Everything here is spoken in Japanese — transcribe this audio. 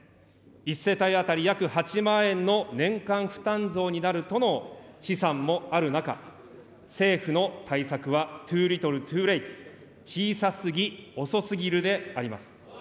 １世帯当たり約８万円の年間負担増になるとの試算もある中、政府の対策はトゥーリトル・トゥーレイト、小さすぎ、遅すぎるであります。